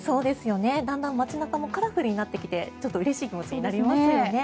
だんだん街中もカラフルになってきてうれしい気持ちになりますね。